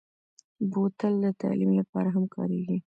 بوتل د تعلیم لپاره هم کارېږي.